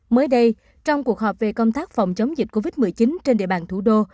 mới đây trong cuộc họp về công tác phòng chống dịch covid một mươi chín trên địa bàn thủ đô